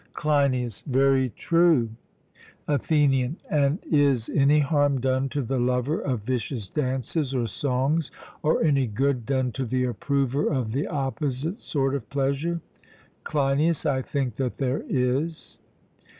CLEINIAS: Very true. ATHENIAN: And is any harm done to the lover of vicious dances or songs, or any good done to the approver of the opposite sort of pleasure? CLEINIAS: I think that there is.